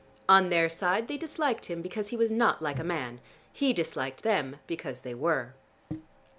On their side they disliked him because he was not like a man: he disliked them because they were.